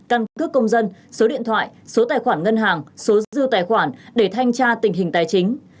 căn cước công dân số điện thoại số tài khoản ngân hàng số dư tài khoản để thanh tra tình hình tài chính